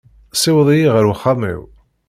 Siweḍ-iyi ɣer uxxam-iw.